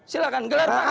silakan gelar pak anda